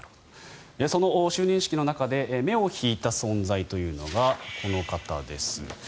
その就任式の中で目を引いた存在というのがこの方です。